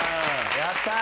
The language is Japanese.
やった！